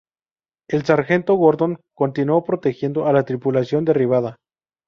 El Sargento Gordon continuó protegiendo a la tripulación derribada.